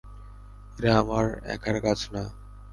এরা আমার একার কাজ না।